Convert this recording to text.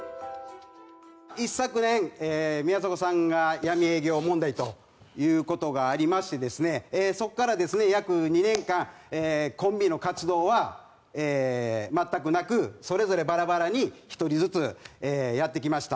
一昨年、宮迫さんが闇営業問題ということがありましてですね、そこから約２年間、コンビの活動は全くなく、それぞればらばらに、１人ずつやってきました。